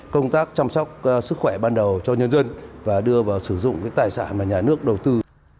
công tác chăm sóc sức khỏe ban đầu cho nhân dân và đưa vào sử dụng tài sản mà nhà nước đầu tư